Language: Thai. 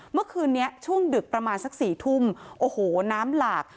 เมื่อคืนนี้ช่วงดึกประมาณสัก๔ทุ่มโอ้โหน้ำหลาก